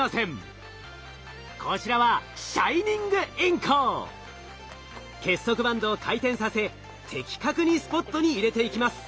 こちらは結束バンドを回転させ的確にスポットに入れていきます。